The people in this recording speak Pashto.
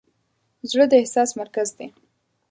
زړه د احساس مرکز دی.